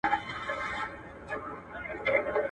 زړه او سر مي وه په لاس کي ستا د زلفو دام ته راغلم.